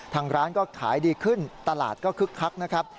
ทางร้านก็ขายดีขึ้นตลาดก็คึกคักนะครับ